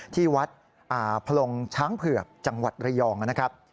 ที่วัดพลงช้างเผือกจังหวัดระยองนะครับ